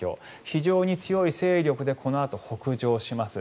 非常に強い勢力でこのあと北上します。